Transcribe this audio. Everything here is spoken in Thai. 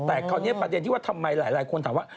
แต่ตอนนี้ปัจจุที่ว่าทำไมหลายคนถามว่า